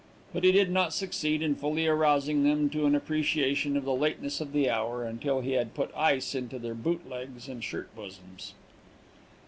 But he did not succeed in fully arousing them to an appreciation of the lateness of the hour, until he had put ice into their boot legs and shirt bosoms.